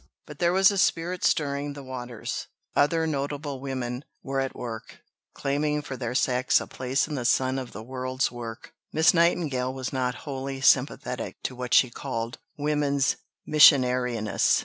But there was a spirit stirring the waters. Other notable women were at work, claiming for their sex a place in the sun of the world's work. Miss Nightingale was not wholly sympathetic to what she called "woman's missionariness."